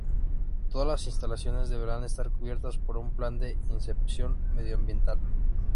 Todas las instalaciones deberán estar cubiertas por un plan de inspección medioambiental.